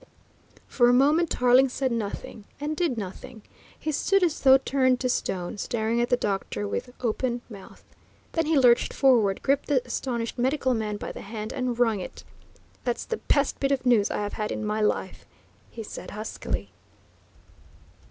For a moment Tarling said nothing and did nothing. He stood as though turned to stone, staring at the doctor with open mouth. Then he lurched forward, gripped the astonished medical man by the hand, and wrung it. "That's the best bit of news I have had in my life," he said huskily.